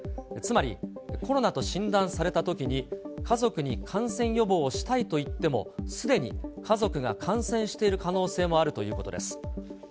つまり、コロナと診断されたときに家族に感染予防をしたいといってもすでに家族が感染している可能性もあるということです。